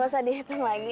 gak usah dihitung lagi